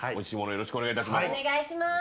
よろしくお願いします。